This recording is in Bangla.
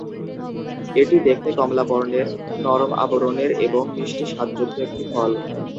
এটি দেখতে কমলা বর্ণের, নরম আবরণের এবং মিষ্টি স্বাদযুক্ত একটি ফল।